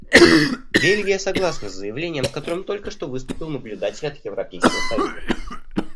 Бельгия согласна с заявлением, с которым только что выступил наблюдатель от Европейского союза.